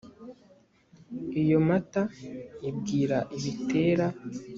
iyo mata ibwira ibitera